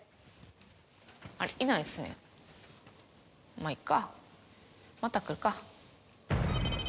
まぁいっかまた来るか。